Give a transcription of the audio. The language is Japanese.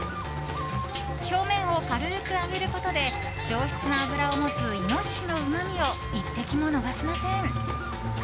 表面を軽く揚げることで上質な脂を持つイノシシのうまみを一滴も逃しません。